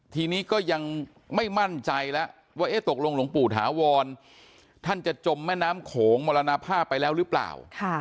ทีนี้ก็ยังไม่มั่นใจแล้วว่าตกลงหลวงปู่ถาวรท่านจะจมแม่น้ำโขงมรณภาพไปแล้วหรือเปล่า